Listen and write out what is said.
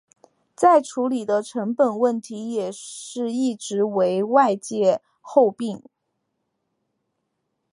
再处理的成本问题也一直为外界诟病。